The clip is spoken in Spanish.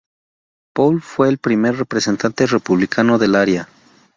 Paul fue el primer representante republicano del área.